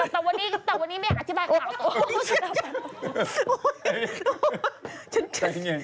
แต่วันนี้ไม่อยากอธิบายข่าวต่อไป